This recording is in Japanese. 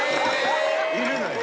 いるのよ。